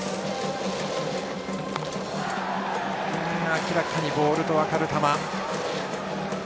明らかにボールと分かる球。